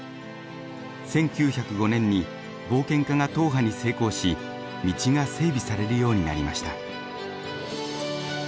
１９０５年に冒険家が踏破に成功し道が整備されるようになりました。